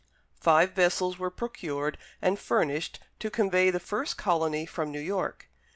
Five vessels were procured and furnished to convey the first colony from New York.